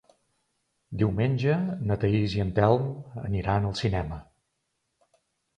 Diumenge na Thaís i en Telm aniran al cinema.